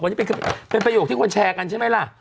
วันนี้เป็นประโยคที่เอาแบบนี้แโค้ยใช่ไหมระ